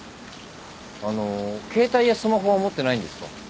あの携帯やスマホは持ってないんですか？